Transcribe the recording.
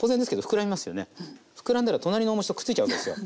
ふくらんだら隣のお餅とくっついちゃうわけですよ。